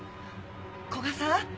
古雅さん？